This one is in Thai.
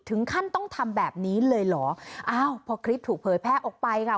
ถึงขั้นต้องทำแบบนี้เลยเหรออ้าวพอคลิปถูกเผยแพร่ออกไปค่ะ